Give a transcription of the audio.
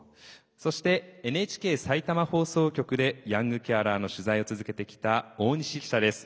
そしてＮＨＫさいたま放送局でヤングケアラーの取材を続けてきた大西記者です。